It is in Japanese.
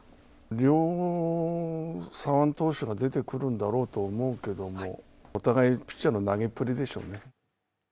両左腕投手が出てくるんだろうと思うんだけどお互いピッチャーの投げっぷりでしょうね。